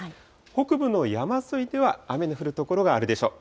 北部の山沿いでは雨の降る所があるでしょう。